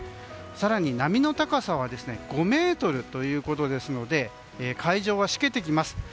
更に、波の高さは５ｍということですので海上はしけてきます。